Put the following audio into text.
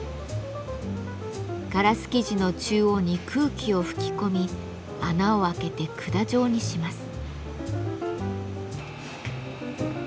ガラス素地の中央に空気を吹き込み穴を開けて管状にします。